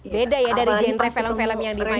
beda ya dari genre film film yang dimainkan